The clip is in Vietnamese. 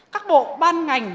các bộ ban ngành